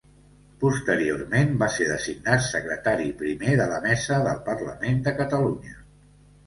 Posteriorment va ser designat secretari primer de la mesa del Parlament de Catalunya.